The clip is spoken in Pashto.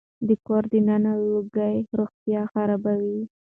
د کور دننه لوګي روغتيا خرابوي.